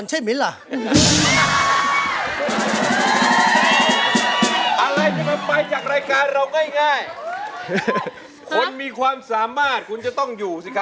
สงสัยเบสกี้คงไม่เล่นแล้วล่ะไอ่ปุ่นเนี่ย